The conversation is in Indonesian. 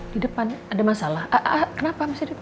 di depan ada masalah kenapa masih di depan